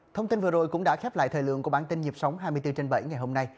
thông tin vừa rồi cũng đã khép lại thời lượng của bản tin nhịp sống hai mươi bốn trên bảy ngày hôm nay